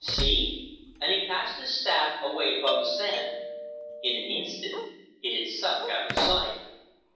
See!" And he cast his staff away upon the sand. In an instant it had sunk out of sight.